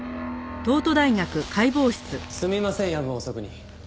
すみません夜分遅くに。